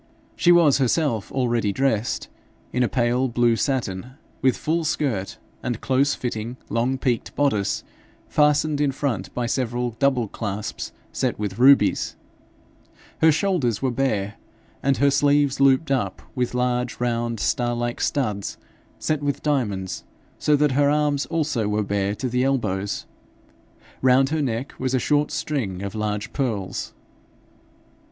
She was herself already dressed in a pale blue satin, with full skirt and close fitting, long peaked boddice, fastened in front by several double clasps set with rubies; her shoulders were bare, and her sleeves looped up with large round star like studs, set with diamonds, so that her arms also were bare to the elbows. Round her neck was a short string of large pearls.